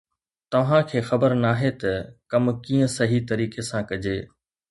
توهان کي خبر ناهي ته ڪم ڪيئن صحيح طريقي سان ڪجي